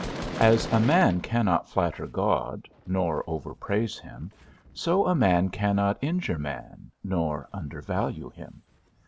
As a man cannot flatter God, nor overpraise him, so a man cannot injure man, nor undervalue him.